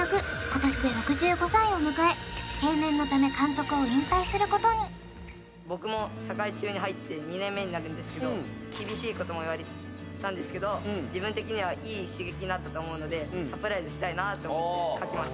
今年で６５歳を迎え定年のため監督を引退することに僕も栄中に入って２年目になるんですけど厳しいことも言われたんですけど自分的にはなと思って書きました